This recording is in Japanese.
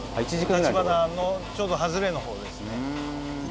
橘のちょうど外れの方ですね。